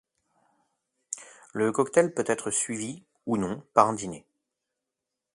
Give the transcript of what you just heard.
Le cocktail peut être suivi ou non par un dîner.